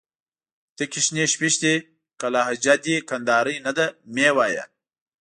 تکي شنې شپيشتي. که لهجه دي کندهارۍ نه ده مې وايه